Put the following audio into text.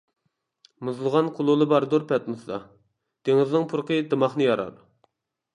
مۇزلىغان قۇلۇلە باردۇر پەتنۇستا، دېڭىزنىڭ پۇرىقى دىماقنى يارار.